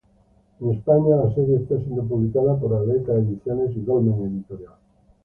En España la serie está siendo publicada por Aleta Ediciones y Dolmen Editorial.